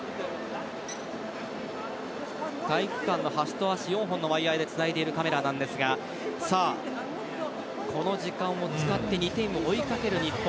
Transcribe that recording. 体育館の端と端４本のワイヤーでつないでいるカメラなんですがこの時間を使って２点を追いかける日本。